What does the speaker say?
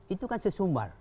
itu kan sesumbar